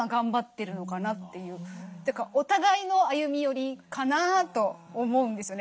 お互いの歩み寄りかなと思うんですよね。